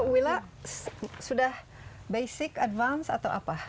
willa sudah basic advance atau apa